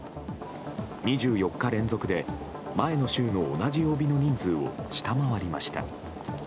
２４日連続で前の週の同じ曜日の人数を下回りました。